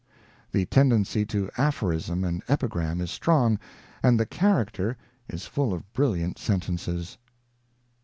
The tendency to aphorism and epigram is strong, and the Character is full of brilliant sentences.